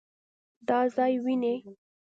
دا ځای وينې؟